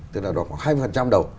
tức là khoảng hai mươi đầu